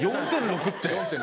４．６って。